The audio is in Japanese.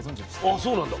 あっそうなんだ。